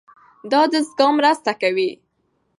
دا دستګاه مرسته کوي.